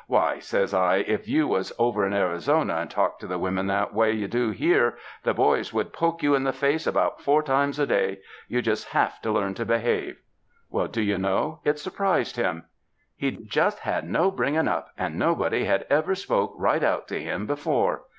" 'Why,' says I, 'if you was over in Arrzona and talked to the women the way you do here, the boys would poke you in the face about four times a day. You'd just have to learn to behave.' Well, do you know, it surprised him? He'd just had no bringing up and nobody had ever spoke right out to him be fore.